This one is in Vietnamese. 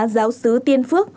giáo sứ tiên phước